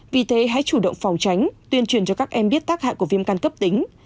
vì thế hãy chủ động phòng tránh tuyên truyền cho các em biết tác hại của viêm căn cấp tính